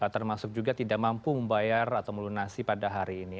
termasuk juga tidak mampu membayar atau melunasi pada hari ini